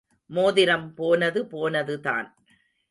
மோதிரம் போனது போனதுதான்.